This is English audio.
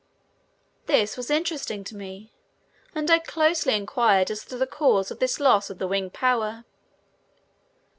This was interesting to me and I closely inquired as to the cause of this loss of the wing power.